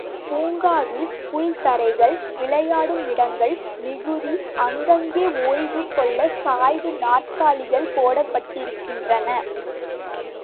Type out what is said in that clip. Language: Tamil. பூங்காவில் புல் தரைகள், விளையாடுமிடங்கள் மிகுதி அங்கங்கே ஓய்வு கொள்ளச் சாய்வு நாற்காலிகள் போடப்பட்டிருக்கின்றன.